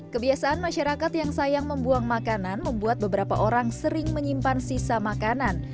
kebiasaan masyarakat yang sayang membuang makanan membuat beberapa orang sering menyimpan sisa makanan